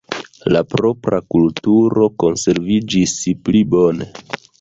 La propra kulturo konserviĝis pli bone.